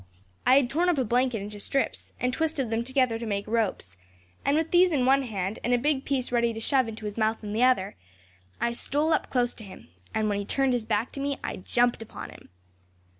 I had torn up a blanket into strips, and twisted them together to make ropes; and with these in one hand, and a big piece ready to shove into his mouth in the other, I stole up close to him; and when he turned his back to me, I jumped upon him.